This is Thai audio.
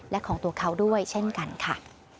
และของตัวเขาด้วยเช่นกันค่ะ